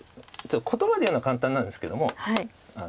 言葉で言うのは簡単なんですけども。